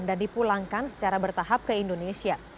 dan dipulangkan secara bertahap ke indonesia